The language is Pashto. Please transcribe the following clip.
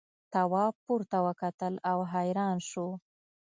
تواب پورته وکتل او حیران شو.